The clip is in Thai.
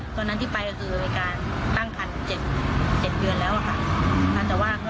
ตอนนั้นที่ไปก็คือในการตั้งคันเจ็ดเจ็ดเดือนแล้วอ่ะค่ะแต่ว่าก็